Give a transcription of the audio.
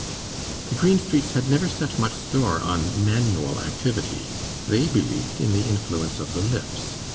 The Greenstreets had never set much store on manual activity; they believed in the influence of the lips.